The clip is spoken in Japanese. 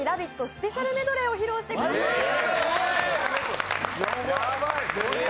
スペシャルメドレーを披露してくださいます。